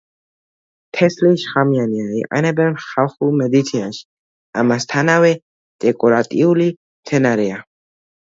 თესლი შხამიანია, იყენებენ ხალხურ მედიცინაში, ამასთანავე დეკორატიული მცენარეა.